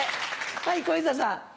はい小遊三さん。